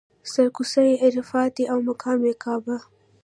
سر کوڅه یې عرفات دی او مقام یې کعبه.